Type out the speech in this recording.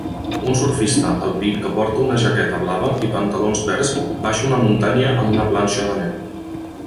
Un surfista alpí que porta una jaqueta blava i pantalons verds baixa una muntanya amb una planxa de neu